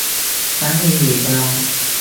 反應如上